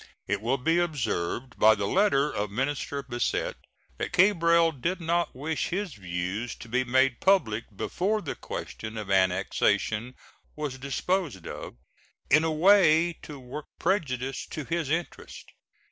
It will be observed by the letter of Minister Bassett that Cabral did not wish his views to be made public before the question of annexation was disposed of, in a way to work prejudice to his interest.